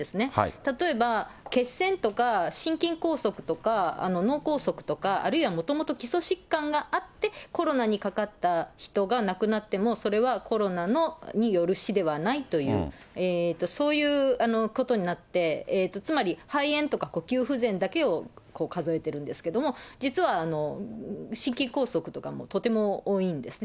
例えば血栓とか心筋梗塞とか、脳梗塞とか、あるいはもともと基礎疾患があってコロナに架かった人が亡くなっても、それはコロナによるしではないという、そういうことになって、つまり、肺炎とか呼吸不全だけを数えてるんですけれども、実は、心筋梗塞とかもとても多いんですね。